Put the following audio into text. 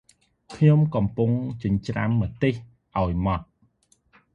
ខ្ញុំកំពុងចិញ្រ្ចាំម្ទេសអោយមត់ ។